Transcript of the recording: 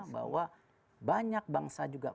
bahwa banyak bangsa juga